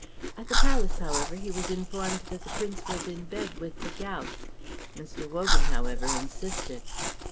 At the palace, however, he was informed that the Prince was in bed with the gout. Mr. Wogan, however, insisted.